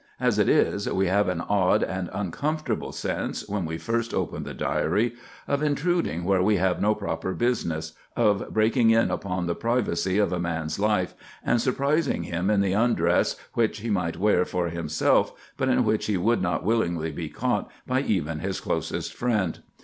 As it is, we have an odd and uncomfortable sense, when we first open the Diary, of intruding where we have no proper business, of breaking in upon the privacy of a man's life, and surprising him in the undress which he might wear for himself, but in which he would not willingly be caught by even his closest friend.